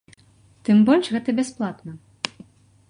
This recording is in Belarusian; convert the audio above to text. Тым больш, гэта бясплатна!